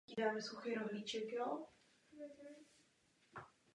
Zcela zničena byla během třicetileté války.